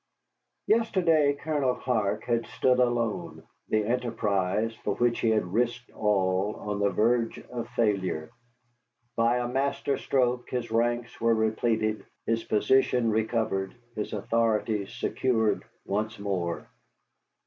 Yesterday Colonel Clark had stood alone, the enterprise for which he had risked all on the verge of failure. By a master stroke his ranks were repleted, his position recovered, his authority secured once more.